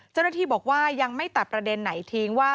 เจ้าหน้าที่บอกว่ายังไม่ตัดประเด็นไหนทิ้งว่า